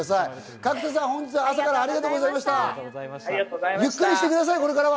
角田さん、本日はありがとうございました。